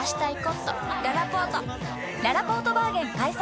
ららぽーとバーゲン開催！